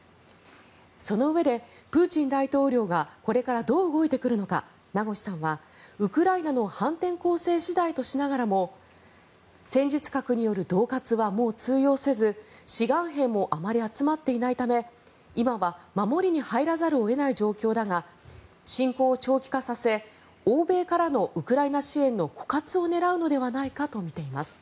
そのうえで、プーチン大統領がこれからどう動いてくるのか名越さんは、ウクライナの反転攻勢次第としながらも戦術核によるどう喝はもう通用せず志願兵もあまり集まっていないため今は守りに入らざるを得ない状況だが侵攻を長期化させ、欧米からのウクライナ支援の枯渇を狙うのではないかとみています。